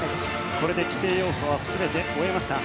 これで規定要素は全て終えました。